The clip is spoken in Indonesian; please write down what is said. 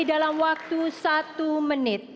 dalam waktu satu menit